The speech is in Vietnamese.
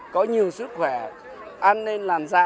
có nhiều sức khỏe ăn nền làm ra